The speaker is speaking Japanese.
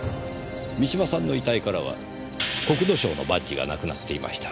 三島さんの遺体からは国土省のバッジがなくなっていました。